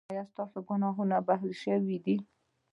ایا ستاسو ګناهونه بښل شوي دي؟